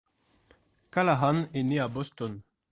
Calahan est né à Boston.